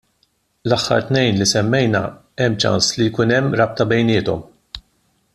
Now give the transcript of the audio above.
L-aħħar tnejn li semmejna hemm ċans li jkun hemm rabta bejniethom.